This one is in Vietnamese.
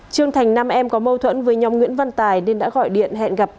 trương thành nam em có mâu thuẫn với nhóm nguyễn văn tài nên đã gọi điện hẹn gặp lại